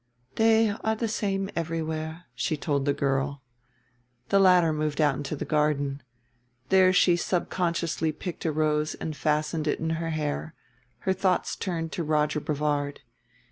"They are the same everywhere," she told the girl. The latter moved out into the garden. There she subconsciously picked a rose and fastened it in her hair; her thoughts turned to Roger Brevard.